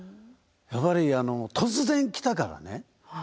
やっぱり突然来たからね。